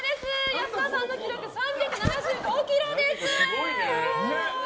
安田さんの記録、３７５ｋｇです。